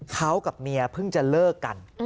เขากับเมียเพิ่งจะเลิกกัน